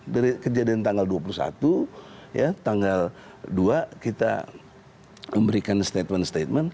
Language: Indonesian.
dari kejadian tanggal dua puluh satu ya tanggal dua kita memberikan statement statement